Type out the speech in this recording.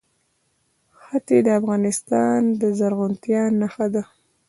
ښتې د افغانستان د زرغونتیا نښه ده.